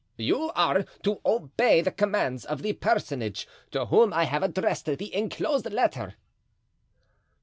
"You are to obey the commands of the personage to whom I have addressed the inclosed letter."